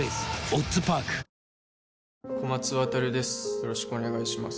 よろしくお願いします